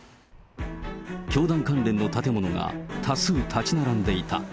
教団関連の建物が多数建ち並んでいた。